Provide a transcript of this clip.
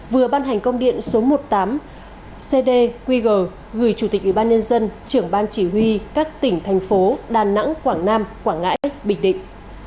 vừa ban hành công điện số một mươi tám cdqg gửi chủ tịch ủy ban nhân dân trưởng ban chỉ huy các tỉnh thành phố đà nẵng quảng nam quảng ngãi bình định